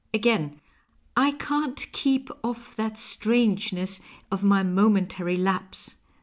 Again :" I can't keep off that strangeness of my momentary lapse."